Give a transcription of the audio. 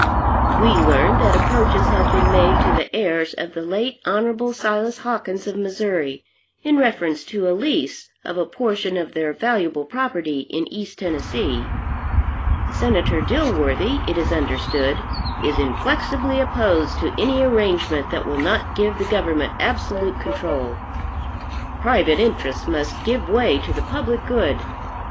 We learn that approaches have been made to the heirs of the late Hon. Silas Hawkins of Missouri, in reference to a lease of a portion of their valuable property in East Tennessee. Senator Dilworthy, it is understood, is inflexibly opposed to any arrangement that will not give the government absolute control. Private interests must give way to the public good.